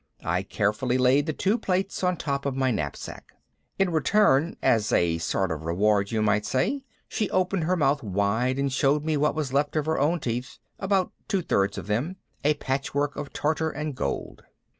I carefully laid the two plates on top of my knapsack. In return, as a sort of reward you might say, she opened her mouth wide and showed me what was left of her own teeth about two thirds of them, a patchwork of tartar and gold.